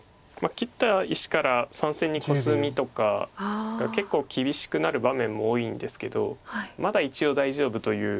切った石から３線にコスミとかが結構厳しくなる場面も多いんですけどまだ一応大丈夫という。